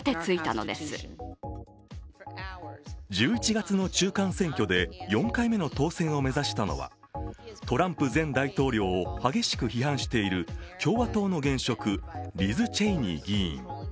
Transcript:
１１月の中間選挙で４回目の当選を目指したのはトランプ前大統領を激しく批判している共和党の現職リズ・チェイニー議員。